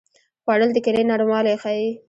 خوړل د کیلې نرموالی ښيي